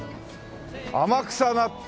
「天草納豆」